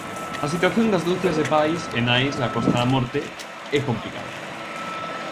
A situación das ducias de pais e nais da Costa da Morte é complicada.